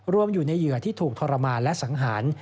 รวมอยู่ในเหยื่อที่ถูกทรมานและสังหาร